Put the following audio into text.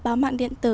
báo mạng điện tử